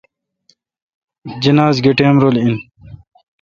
جناز گہ ٹئم رل این۔